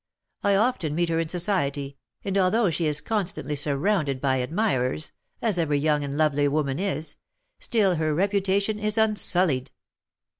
I often meet her in society, and, although she is constantly surrounded by admirers (as every young and lovely woman is), still her reputation is unsullied."